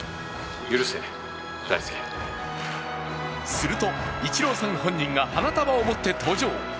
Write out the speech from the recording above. すると、イチローさん本人が花束を持って登場。